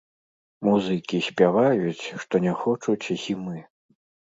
Музыкі спяваюць, што не хочуць зімы.